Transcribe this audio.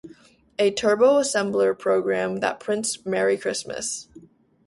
A Turbo Assembler program that prints 'Merry Christmas!